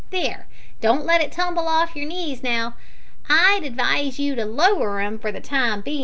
There! Don't let it tumble off your knees, now; I'd adwise you to lower 'em for the time bein'.